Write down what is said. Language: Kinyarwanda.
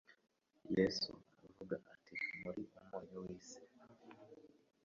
Yesu yaravuze ati: «muri umunyu w'isi».